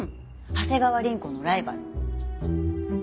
長谷川凛子のライバル。